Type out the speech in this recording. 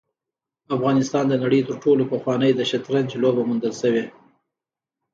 افغانستان د نړۍ تر ټولو پخوانی د شطرنج لوبه موندل شوې